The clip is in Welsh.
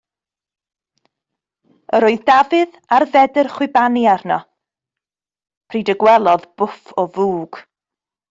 Yr oedd Dafydd ar fedr chwibanu arno pryd y gwelodd bwff o fwg.